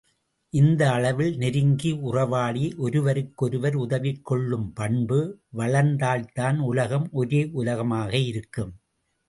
இந்த அளவில் நெருங்கி உறவாடி ஒருவருக்கொருவர் உதவிக் கொள்ளும் பண்பு வளர்ந்தால்தான் உலகம் ஒரே உலகமாக இருக்கும்.